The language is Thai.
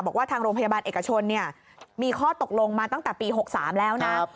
บอกว่าทางโรงพยาบาลเอกชนมีข้อตกลงมาตั้งแต่ปี๖๓แล้วนะ